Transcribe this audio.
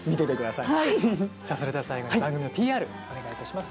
さあそれでは最後に番組のＰＲお願いいたします。